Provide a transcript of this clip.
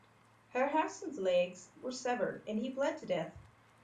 Herrhausen's legs were severed and he bled to death.